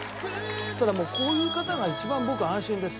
ただこういう方が一番僕安心です。